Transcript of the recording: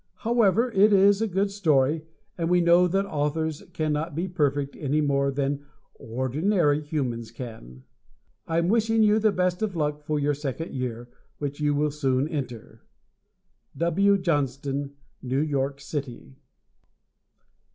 However, it was a good story and we know that authors cannot be perfect any more than ordinary humans can. I am wishing you the best of luck for your second year, which you will soon enter! W. Johnston, New York City.